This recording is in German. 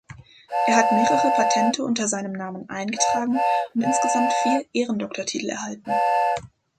Er hat mehrere Patente unter seinem Namen eingetragen und insgesamt vier Ehrendoktortitel erhalten.